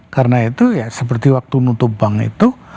karena itu ya seperti waktu nutup bank itu